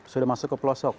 sudah masuk ke pelosok